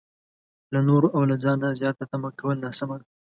له نورو او له ځانه زياته تمه کول ناسمه ده.